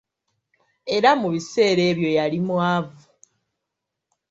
Era mu biseera ebyo yali mwavu.